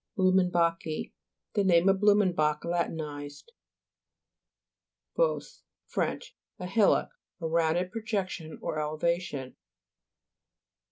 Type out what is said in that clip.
BLUMENBA'CHII The name of Blu menbach latinized. BOSSE French. A hillock ; a round ed projection or elevation.